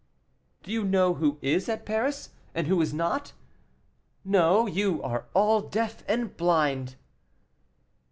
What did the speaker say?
"Do you know who is at Paris, and who is not? No, you are all deaf and blind."